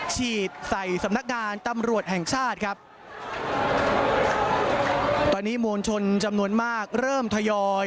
ฉีดใส่สำนักงานตำรวจแห่งชาติครับตอนนี้มวลชนจำนวนมากเริ่มทยอย